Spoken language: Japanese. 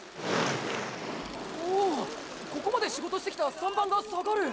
おおここまで仕事してきた３番が下がる！